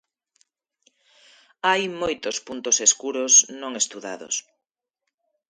Hai moitos puntos escuros non estudados.